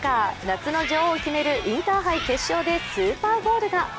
夏の女王を決めるインターハイ決勝でスーパーゴールが。